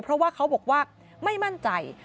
เพราะว่าเขาบอกว่าไม่มั่นใจ